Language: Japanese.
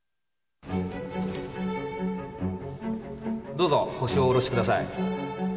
どうぞ腰をお下ろしください。